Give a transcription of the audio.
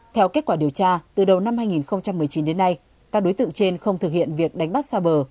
theo kết quả điều tra từ đầu năm hai nghìn một mươi chín đến nay các đối tượng trên không thực hiện việc đánh bắt xa bờ